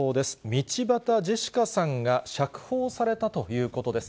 道端ジェシカさんが釈放されたということです。